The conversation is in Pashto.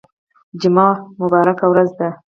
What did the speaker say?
جمعه مبارکه ورځ ده